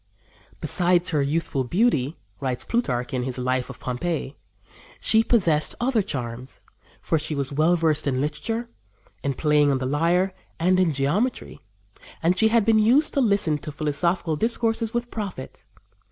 "Besides her youthful beauty," writes Plutarch, in his Life of Pompey, "she possessed other charms, for she was well versed in literature, in playing on the lyre, and in geometry, and she had been used to listen to philosophical discourses with profit.